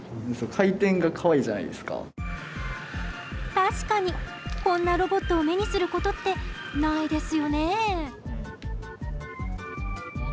確かにこんなロボットを目にすることってないですよね